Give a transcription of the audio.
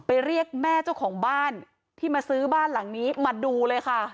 เรียกแม่เจ้าของบ้านที่มาซื้อบ้านหลังนี้มาดูเลยค่ะ